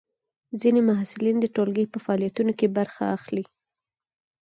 ځینې محصلین د ټولګي په فعالیتونو کې برخه اخلي.